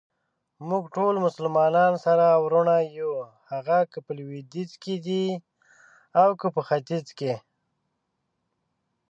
موږټول مسلمانان سره وروڼه يو ،که هغه په لويديځ کې دي اوکه په ختیځ.